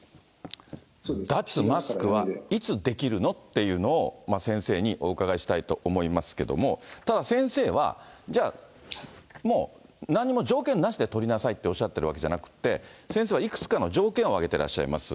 脱マスクはいつできるの？っていうのを、先生にお伺いしたいと思いますけども、ただ先生は、じゃあ、もう、なんにも条件なしで取りなさいっておっしゃってるわけじゃなくて、先生はいくつかの条件を挙げてらっしゃいます。